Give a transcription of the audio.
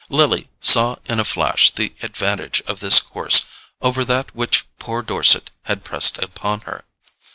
Lily saw in a flash the advantage of this course over that which poor Dorset had pressed upon her.